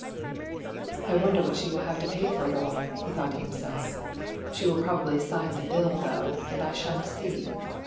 _ "I wonder what she will have to pay for it all?" he thought to himself. "She will probably sign the bill, though, and I shan't see."